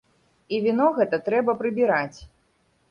І віно гэта трэба прыбіраць.